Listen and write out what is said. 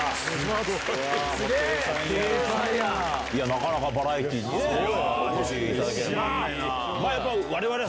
なかなかバラエティーにお越しいただけない。